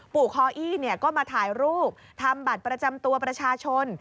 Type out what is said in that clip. คออี้ก็มาถ่ายรูปทำบัตรประจำตัวประชาชน